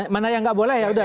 mana yang nggak boleh ya udah